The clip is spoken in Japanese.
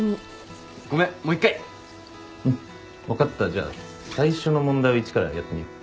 じゃあ最初の問題を一からやってみよう。